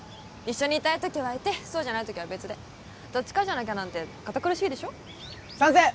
一緒にいたい時はいてそうじゃない時は別でどっちかじゃなきゃなんて堅苦しいでしょ賛成！